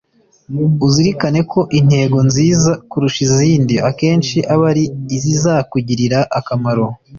Uzirikane ko intego nziza kurusha izindi akenshi aba ari izizakugirira akamaro.